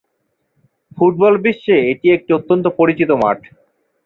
Football বিশ্বে এটি একটি অত্যন্ত পরিচিত মাঠ।